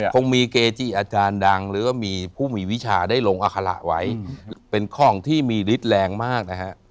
คงมีเกจิอาจารย์ดังหรือว่ามีผู้มีวิชาได้ลงอาคาระไว้เป็นของที่มีฤทธิ์แรงมากนะฮะ